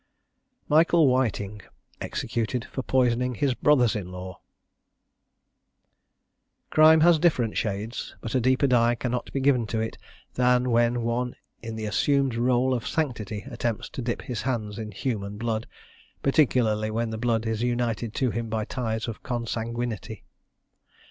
MICHAEL WHITING. EXECUTED FOR POISONING HIS BROTHERS IN LAW. Crime has different shades; but a deeper dye cannot be given to it, than when one in the assumed robe of sanctity attempts to dip his hands in human blood, particularly when that blood is united to him by ties of consanguinity.